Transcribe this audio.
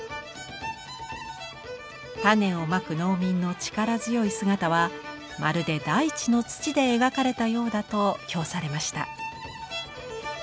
種をまく農民の力強い姿は「まるで大地の土で描かれたようだ」と評されました。